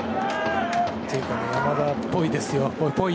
山田っぽいですよ。